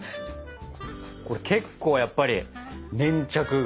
これ結構やっぱり粘着が。